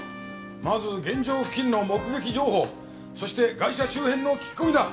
まず現場付近の目撃情報そしてガイシャ周辺の聞き込みだ。